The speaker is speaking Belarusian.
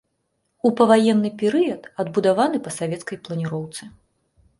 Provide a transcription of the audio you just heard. У паваенны перыяд адбудаваны па савецкай планіроўцы.